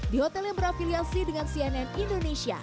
di hotel yang berafiliasi dengan cnn indonesia